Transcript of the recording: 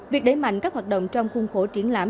việc đẩy mạnh các hoạt động trong khuôn khổ triển lãm